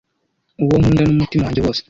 Uwo nkunda n'umutima wanjye wose.